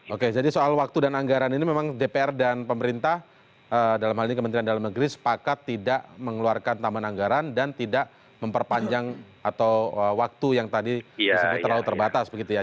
oke jadi soal waktu dan anggaran ini memang dpr dan pemerintah dalam hal ini kementerian dalam negeri sepakat tidak mengeluarkan tambahan anggaran dan tidak memperpanjang atau waktu yang tadi disebut terlalu terbatas begitu ya